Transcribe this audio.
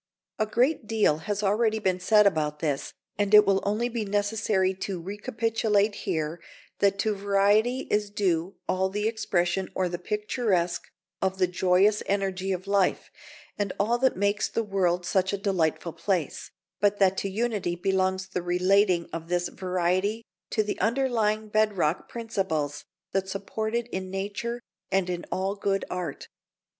A great deal has already been said about this, and it will only be necessary to recapitulate here that to variety is due all the expression or the picturesque, of the joyous energy of life, and all that makes the world such a delightful place, but that to unity belongs the relating of this variety to the underlying bed rock principles that support it in nature and in all good art.